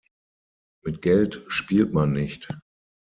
Mit Geld spielt man nicht.